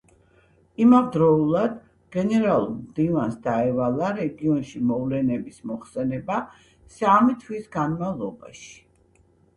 იმავდროულად, გენერალური მდივანს დაევალა რეგიონში მოვლენების მოხსენება სამი თვის განმავლობაში.